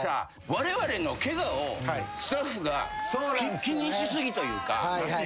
われわれのケガをスタッフが気にしすぎというか。